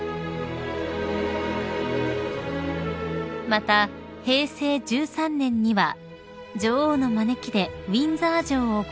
［また平成１３年には女王の招きでウィンザー城をご訪問］